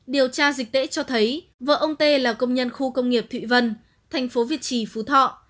điều tra dịch tễ cho thấy vợ ông tê là công nhân khu công nghiệp thụy vân thành phố việt trì phú thọ